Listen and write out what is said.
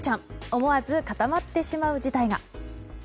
思わず固まってしまう事態が。